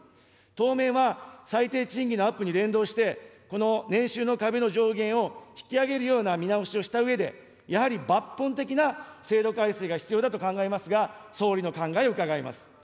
当面は、最低賃金のアップに連動して、この年収の壁の上限を引き上げるような見直しをしたうえで、やはり抜本的な制度改正が必要だと考えますが、総理の考えを伺います。